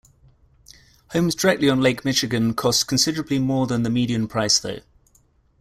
Homes directly on Lake Michigan cost considerably more than the median price though.